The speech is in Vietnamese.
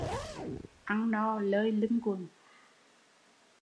Ăn no lơi lưng quần